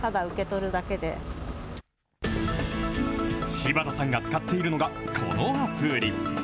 柴田さんが使っているのが、このアプリ。